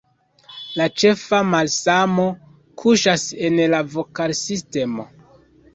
La ĉefa malsamo kuŝas en la vokalsistemo.